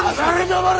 黙れ！